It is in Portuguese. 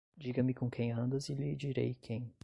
Diga-me com quem andas e lhe direi quem